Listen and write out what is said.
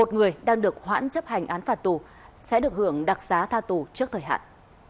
một người đang được hoãn chấp hành án phạt tù sẽ được hưởng đặc xá tha tù trước thời hạn